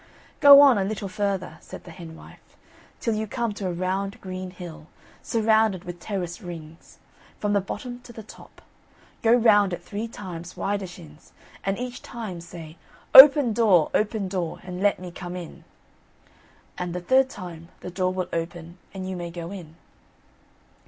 "Go on a little further," said the hen wife, "till you come to a round green hill, surrounded with terrace rings, from the bottom to the top; go round it three times, widershins, and each time say: Open, door! open, door! And let me come in. and the third time the door will open, and you may go in."